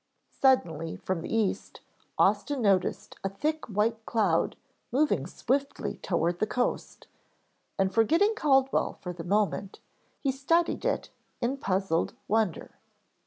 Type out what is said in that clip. Suddenly, from the east, Austin noticed a thick white cloud moving swiftly toward the coast, and forgetting Caldwell for the moment, he studied it in puzzled wonder.